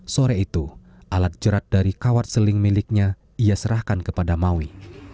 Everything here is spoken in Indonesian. sore itu alat jerat dari kawat seling miliknya ia serahkan kepada maui